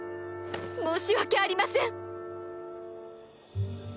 申し訳ありません！